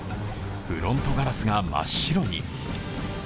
フロントガラスが真っ白に。